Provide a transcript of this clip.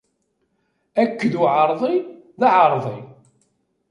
Akked uɛerḍi, d aɛerḍi.